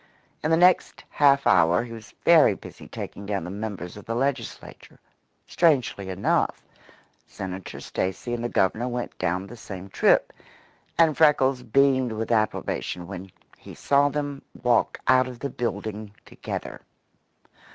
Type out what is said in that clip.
In the next half hour he was very busy taking down the members of the Legislature. Strangely enough, Senator Stacy and the Governor went down the same trip, and Freckles beamed with approbation when, he saw them walk out of the building together.